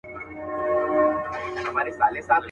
ورته اور كلى، مالت، كور او وطن سي.